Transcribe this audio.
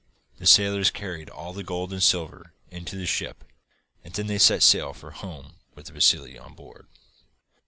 The sailors carried all the gold and silver into the ship, and then they set sail for home with Vassili on board.